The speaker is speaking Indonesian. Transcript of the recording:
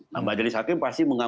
nah majelis hakim pasti mengatakan